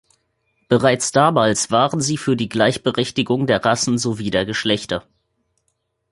Bereits damals waren sie für die Gleichberechtigung der Rassen sowie der Geschlechter.